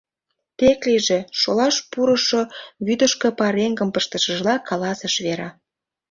— Тек лийже, — шолаш пурышо вӱдышкӧ пареҥгым пыштышыжла, каласыш Вера.